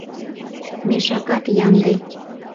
Мешакат ямде...